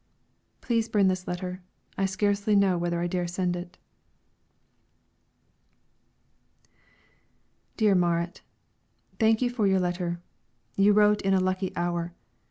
Please burn this letter; I scarcely know whether I dare send it. DEAR MARIT, Thank you for your letter; you wrote it in a lucky hour.